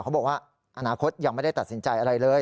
เขาบอกว่าอนาคตยังไม่ได้ตัดสินใจอะไรเลย